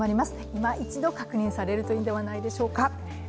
今一度確認されるといいのではないでしょうか。